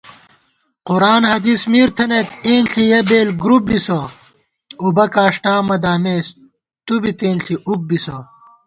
قرآن حدیث مِر تھنَئیت اېنݪی یَہ بېل گرُوپ بِسہ * اُبہ کاݭٹا مہ دامېس تُوبی تېنݪی اُب بِسہ